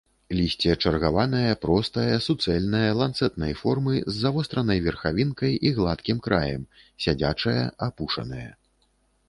Лісце чаргаванае, простае, суцэльнае, ланцэтнай формы, з завостранай верхавінкай і гладкім краем, сядзячае, апушанае.